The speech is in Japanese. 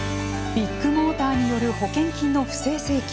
ビッグモーターによる保険金の不正請求。